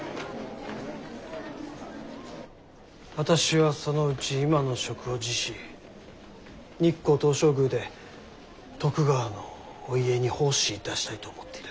私はそのうち今の職を辞し日光東照宮で徳川のお家に奉仕いたしたいと思っている。